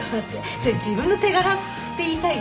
それ自分の手柄って言いたいの？